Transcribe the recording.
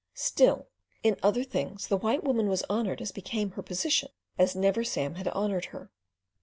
Still, in other things the white woman was honoured as became her position as never Sam had honoured her.